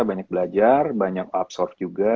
banyak belajar banyak absorb juga